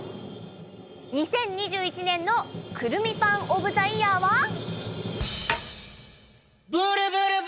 ２０２１年のくるみパンオブ・ザ・イヤーは。